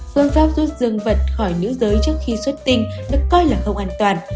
phương pháp rút dương vật khỏi nữ giới trước khi xuất tinh được coi là không an toàn